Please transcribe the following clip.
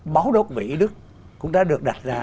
báo đốc về y đức cũng đã được đặt ra